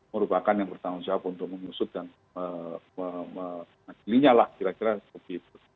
merupakan yang bertanggung jawab untuk mengusut dan mengadilinya lah kira kira seperti itu